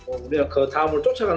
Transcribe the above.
kami akan mengejar tim terakhir